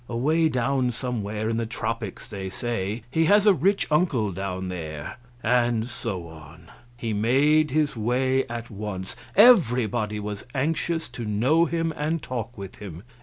"Away down somewhere in the tropics, they say has a rich uncle down there." And so on. He made his way at once; everybody was anxious to know him and talk with him.